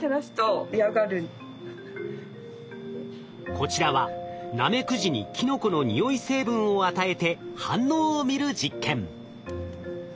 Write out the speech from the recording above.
こちらはナメクジにキノコの匂い成分を与えて反応を見る実験。